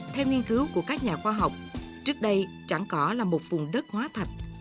theo nghiên cứu của các nhà khoa học trước đây trảng cỏ là một vùng đất hóa thạch